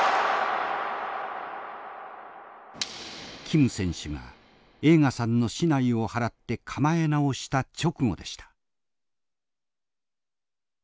キム選手が栄花さんの竹刀を払って構え直した直後でした。